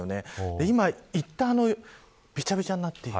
今、いったんびちゃびちゃになっている。